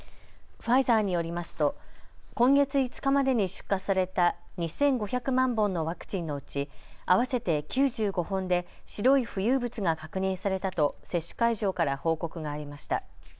ファイザーによりますと今月５日までに出荷された２５００万本のワクチンのうち合わせて９５本で白い浮遊物が確認されたと接種会場から報告がありました。